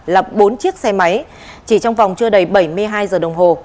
lập bốn chiếc xe máy chỉ trong vòng chưa đầy bảy mươi hai giờ đồng hồ